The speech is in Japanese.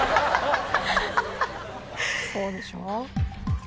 そうでしょ？